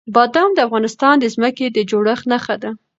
بادام د افغانستان د ځمکې د جوړښت نښه ده.